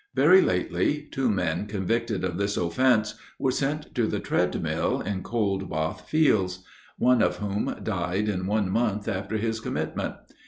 Very lately, two men, convicted of this offence, were sent to the Tread Mill, in Cold Bath Fields; one of whom died in one month after his commitment.